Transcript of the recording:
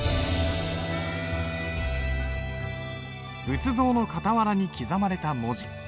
仏像の傍らに刻まれた文字。